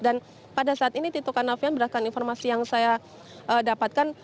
dan pada saat ini tito kanavian berakan informasi yang saya dapatkan